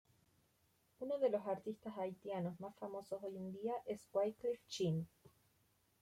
Uno de los artistas haitianos más famosos hoy en día es Wyclef Jean.